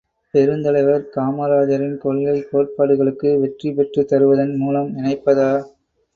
பெருந்தலைவர் காமராசரின் கொள்கை, கோட்பாடுகளுக்கு வெற்றி பெற்றுத் தருவதன் மூலம் நினைப்பதா?